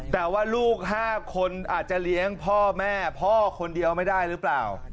แต่ว่าลูก๕คนอาจจะเลี้ยงพ่อแม่พ่อคนเดียวไม่ได้หรือเปล่า